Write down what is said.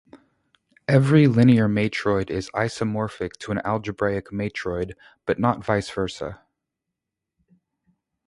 Every linear matroid is isomorphic to an algebraic matroid, but not vice versa.